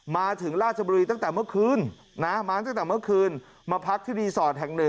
มาถึงราชบุรีตั้งแต่เมื่อครืนมาพักที่รีสอร์จแห่ง๑